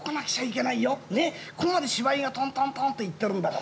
ここまで芝居がトントントンといってるんだから。